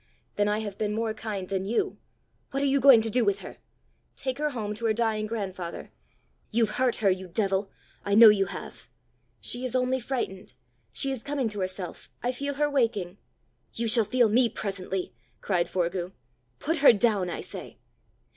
"Then I have been more kind than you!" "What are you going to do with her?" "Take her home to her dying grandfather." "You've hurt her, you devil! I know you have!" "She is only frightened. She is coming to herself. I feel her waking!" "You shall feel me presently!" cried Forgue. "Put her down, I say."